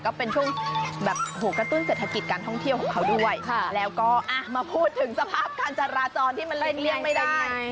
ก็เป็นช่วงแบบหัวกระตุ้นเศรษฐกิจการท่องเที่ยวของเขาด้วยแล้วก็มาพูดถึงสภาพการจราจรที่มันเลี่ยงไม่ได้